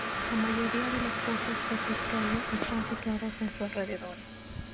La mayoría de los pozos de petróleo están situados en sus alrededores.